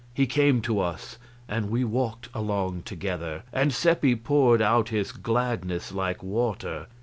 He came to us, and we walked along together, and Seppi poured out his gladness like water.